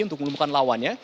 untuk melupakan lawannya